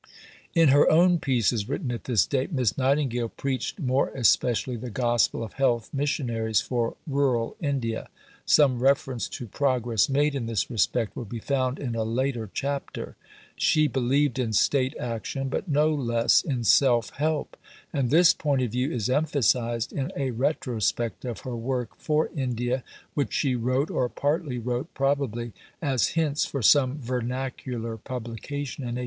In her own pieces written at this date, Miss Nightingale preached more especially the gospel of Health Missionaries for Rural India. Some reference to progress made in this respect will be found in a later chapter (p. 406). She believed in State action, but no less in Self help, and this point of view is emphasized in a retrospect of her work for India which she wrote, or partly wrote, probably as hints for some vernacular publication, in 1889.